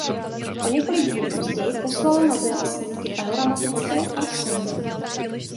O několik dní později poslalo na Zem i snímky panoramatické a sondy.